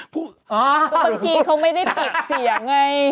อ๋อเมื่อกี้เขาไม่ได้ปิดเสียงไง